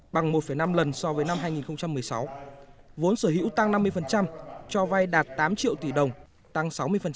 bằng một năm lần so với năm hai nghìn một mươi sáu vốn sở hữu tăng năm mươi cho vay đạt tám triệu tỷ đồng tăng sáu mươi